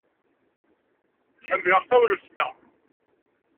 Ḥemmleɣ tawlaft-a.